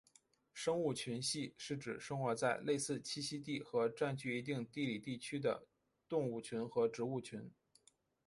生物群系是指生活在类似栖息地和占据一定地理地区的动物群和植物群。